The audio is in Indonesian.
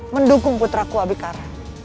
mendukung puteraku abikara